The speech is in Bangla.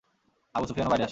আবু সুফিয়ানও বাইরে আসে।